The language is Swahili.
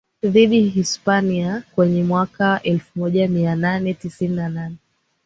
dhidi Hispania kwenye mwaka elfumoja mianane tisini na nane